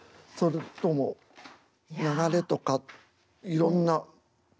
それとも流れとかいろんな。